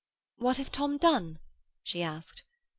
'What hath Tom done?' she asked.